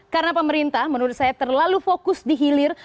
karena pemerintah menurut saya terlalu fokus di hilir